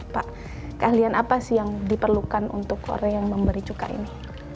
pak keahlian apa sih yang diperlukan untuk orang yang memberi cuka ini